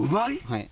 はい。